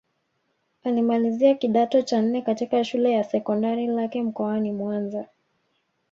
Alimalizia kidato cha nne katika Shule ya Sekondari Lake mkoani Mwanza